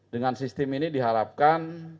dengan sistem ini diharapkan